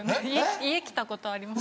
家来たことあります。